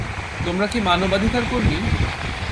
তোমরা কি মানবাধিকার কর্মী?